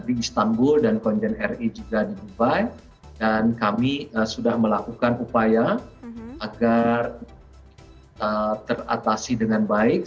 di istanbul dan konjen ri juga di dubai dan kami sudah melakukan upaya agar teratasi dengan baik